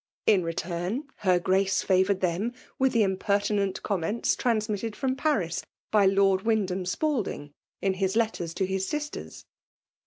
In return, her Grace favoured them with the im pertinent comments transmitted from. Paris by Lord Wyndham Spalding, in his letta« to his sisters.